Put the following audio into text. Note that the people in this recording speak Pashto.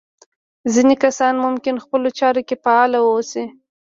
ځينې کسان ممکن خپلو چارو کې فعال واوسي.